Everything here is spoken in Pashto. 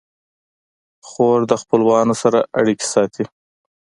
خور د خپلوانو سره اړیکې ساتي.